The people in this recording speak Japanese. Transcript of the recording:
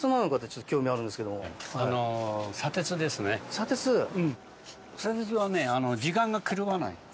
砂鉄は時間が狂わない。